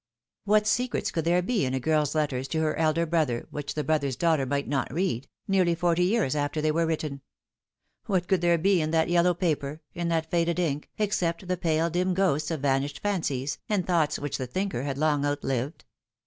What secrets could there be in a girl's letters to her elder brother which the brother's daughter might not read, nearly forty years after they were written ? What could there be in that yellow paper, in that faded ink, except the pale dim ghosts of vanished fancies, and thoughts which the thinker had long outlived